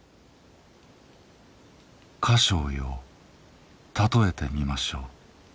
迦葉よ譬えてみましょう。